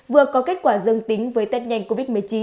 vừa có kết quả dương tính với tết nhanh covid một mươi chín